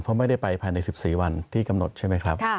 เพราะไม่ได้ไปภายใน๑๔วันที่กำหนดใช่ไหมครับ